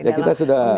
ya kita sudah